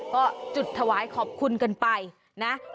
ก็จุดถวายขอบคุณกันไปนะ